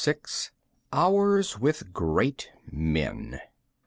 Hours With Great Men.